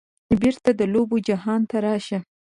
بیرته د لوبو جهان ته راشه